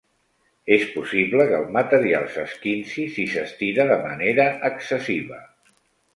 És possible que el material s'esquinci si s'estira de manera excessiva.